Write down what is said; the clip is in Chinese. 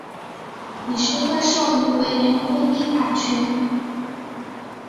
理事会授予委员会立法权。